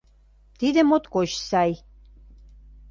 Тиде моткоч сай!